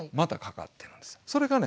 それがね